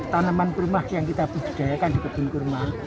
tanaman kurma yang kita budidayakan di kebun kurma